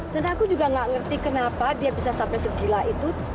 dan aku juga nggak ngerti kenapa dia bisa sampai segila itu